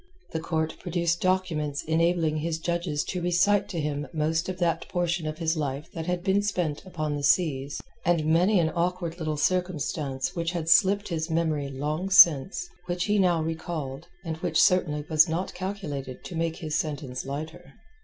The court produced documents enabling his judges to recite to him most of that portion of his life that had been spent upon the seas, and many an awkward little circumstance which had slipped his memory long since, which he now recalled, and which certainly was not calculated to make his sentence lighter.